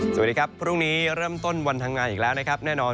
สวัสดีครับพรุ่งนี้เริ่มต้นวันทำงานอีกแล้วนะครับแน่นอน